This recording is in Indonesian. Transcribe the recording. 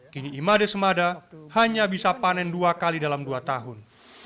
kini imade semada hanya bisa panen dua kali dalam dua tahun